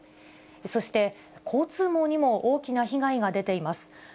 そして、交通網にも大きな被害が出ています。